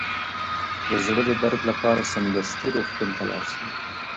د زړه د درد لپاره سمدستي روغتون ته لاړ شئ